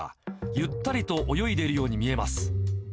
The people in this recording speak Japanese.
ゆったりと泳いでいるように見えます。